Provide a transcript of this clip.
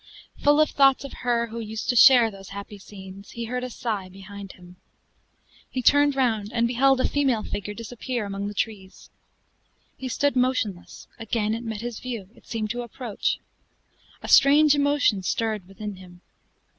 Full of thoughts of her who used to share those happy scenes, he heard a sigh behind him. He turned round, and beheld a female figure disappear among the trees. He stood motionless; again it met his view; it seemed to approach. A strange emotion stirred within him.